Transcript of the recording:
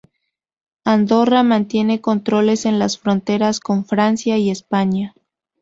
Andorra mantiene controles en las fronteras con Francia y España.